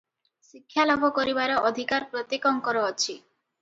ଶିକ୍ଷାଲାଭ କରିବାର ଅଧିକାର ପ୍ରତ୍ୟେକଙ୍କର ଅଛି ।